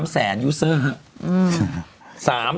๓แสนยูเซอร์ครับ